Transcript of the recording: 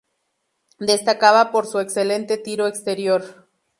Destacaba por su excelente tiro exterior.